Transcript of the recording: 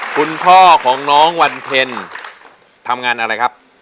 คุณพ่อของน้องวันเพ็ญทำงานอะไรครับ